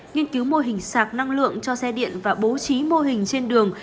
nghiên cứu mô hình sạc năng lượng cho xe điện và bố trí mô hình trên đường